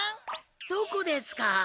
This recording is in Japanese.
どこですか？